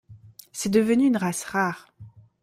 C'est devenu une race rare.